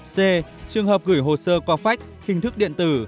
c trường hợp gửi hồ sơ qua phách hình thức điện tử